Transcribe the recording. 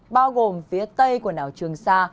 bao gồm phía tây quần đảo trường sa